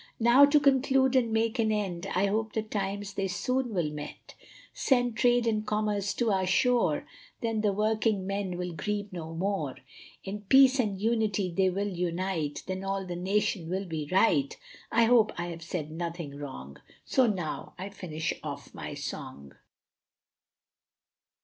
Now, to conclude and make an end, I hope the times they soon will mend, Send trade and commerce to our shore, Then the working men will grieve no more, In peace and unity, they will unite, Then all the nation will be right, I hope I have said nothing wrong, So now I finish off my song.